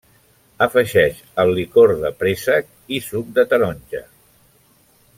Afegeix el licor de préssec i suc de taronja.